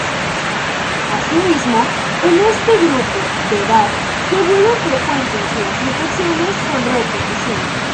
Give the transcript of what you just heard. Asimismo, en este grupo de edad se vuelven frecuentes las infecciones con repetición.